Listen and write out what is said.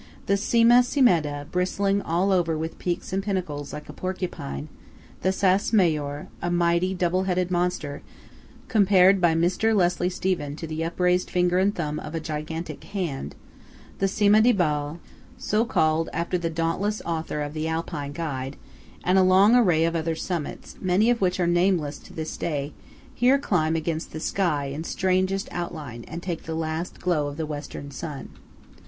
The Cima Cimeda, bristling all over with peaks and pinnacles, like a porcupine; the Sas Maor, a mighty double headed monster, compared by Mr. Leslie Stephen to the upraised finger and thumb of a gigantic hand; the Cima di Ball, so called after the dauntless author of the "Alpine Guide;" and a long array of other summits, many of which are nameless to this day, here climb against the sky in strangest outline, and take the last glow of the Western sun.